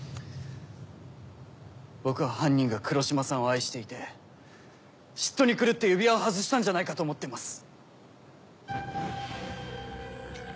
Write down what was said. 僕は犯人が黒島さんを愛していて嫉妬に狂って指輪を外したんじゃないかと思ってます！